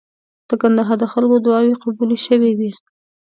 د کندهار د خلکو دعاوي قبولې شوې وې.